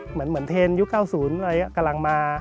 เหมือนเทนยุค๙๐อะไรกำลังมา